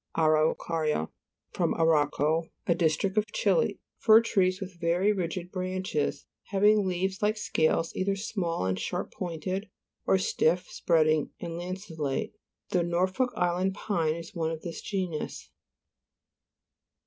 AHAUCA'RIA (From Arauco, a dis trict of Chile.) Fir trees with very rigid branches, having leaves like scales either small and sharp point ed, or stiff, spreading, and lanceo late. The Norfolk island pine is one of this genus.